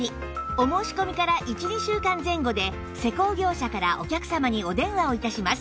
お申し込みから１２週間前後で施工業者からお客様にお電話を致します